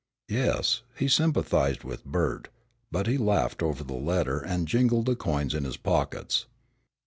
Yes, he sympathized with Bert, but he laughed over the letter and jingled the coins in his pockets.